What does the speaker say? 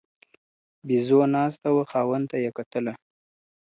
بيزو ناسته وه خاوند ته يې كتله.